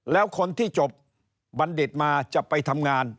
แล้วคนที่จบบัณฑิตมาจะไปทำงาน